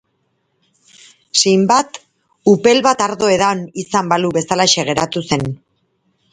Sinbad upel bat ardo edan izan balu bezalaxe geratu zen.